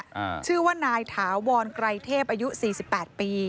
อ่าชื่อว่านายถาวรไกรเทพอายุสี่สิบแปดปี